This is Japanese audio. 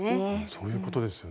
そういうことですよね。